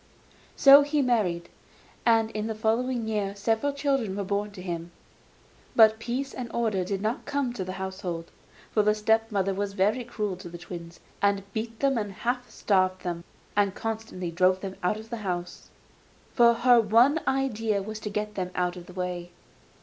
So he married, and in the following years several children were born to him; but peace and order did not come to the household. For the step mother was very cruel to the twins, and beat them, and half starved them, and constantly drove them out of the house; for her one idea was to get them out of the way.